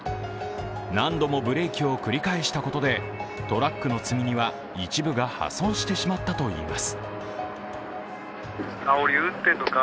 何度もブレーキを繰り返したことでトラックの積み荷は一部が破損してしまったといいます。